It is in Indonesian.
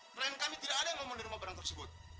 klien kami tidak ada yang mau menerima barang tersebut